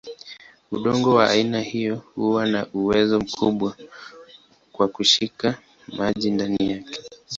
Udongo wa aina hiyo huwa na uwezo mkubwa wa kushika maji ndani yake.